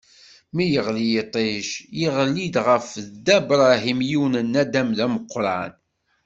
Mi yeɣli yiṭij, iɣli-d ɣef Dda Bṛahim yiwen n naddam d ameqran.